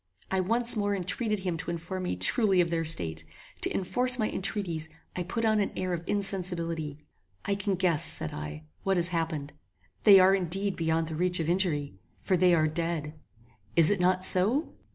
I once more entreated him to inform me truly of their state. To enforce my entreaties, I put on an air of insensibility. "I can guess," said I, "what has happened They are indeed beyond the reach of injury, for they are dead! Is it not so?"